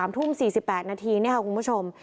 ๓ทุ่ม๔๘นาทีนี่ค่ะคุณผู้ชม